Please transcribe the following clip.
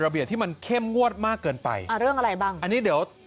เบียดที่มันเข้มงวดมากเกินไปอ่าเรื่องอะไรบ้างอันนี้เดี๋ยว